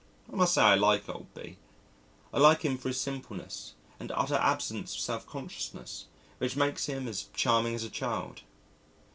I must say I like old B . I like him for his simpleness and utter absence of self consciousness, which make him as charming as a child.